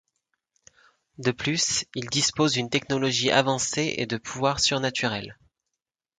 De plus, il dispose d'une technologie avancée et de pouvoirs surnaturels.